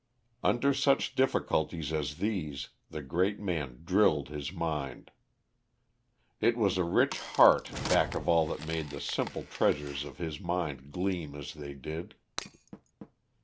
Under such difficulties as these, the great man drilled his mind. It was a rich heart back of all that made the simple treasures of his mind gleam as they did.